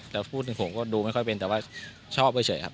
แต่พูดถึงผมก็ดูไม่ค่อยเป็นแต่ว่าชอบเฉยครับ